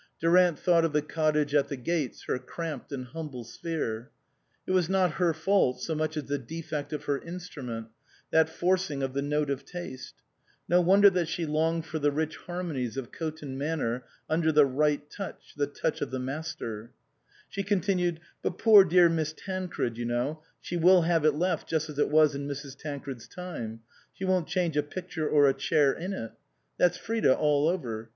Durant thought of the cottage at the gates, her cramped and hum ble sphere ; it was not her fault so much as the defect of her instrument, that forcing of the note of taste ; no wonder that she longed for the rich harmonies. of Coton Manor under "the right touch," the touch of the master. She continued, " But poor dear Miss Tancred, you know, she will have it left just as it was in Mrs. Tancred's time ; she won't change a picture or a chair in it. That's Frida all over.